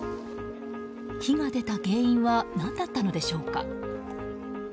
火が出た原因は何だったのでしょうか。